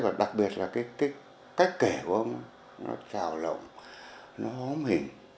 và đặc biệt là cái cách kể của ông nó trào lộn nó hóa mình